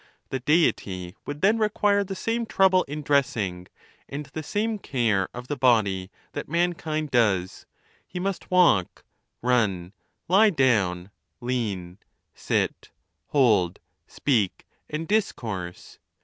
The Deity would then require the same trouble in dressing, and the same care of the body, that mankind does. He must walk, run, lie down, lean, sit, hold, speak, and discourse.